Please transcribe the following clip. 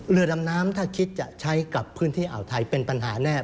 เรือดำน้ำถ้าคิดจะใช้กับพื้นที่อ่าวไทยเป็นปัญหาแน่